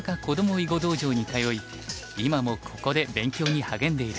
囲碁道場に通い今もここで勉強に励んでいる。